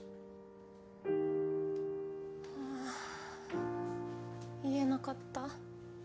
はあ言えなかった。